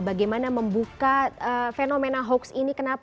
bagaimana membuka fenomena hoax ini